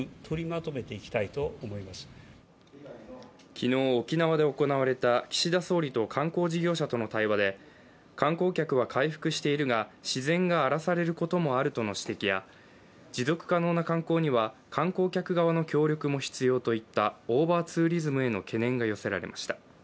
昨日沖縄で行われた岸田総理と観光事業者との対話で観光客は回復しているが自然が荒らされることもあるとの指摘や持続可能な観光には観光客側の協力も必要といったオーバーツーリズムへの懸念が寄せられました。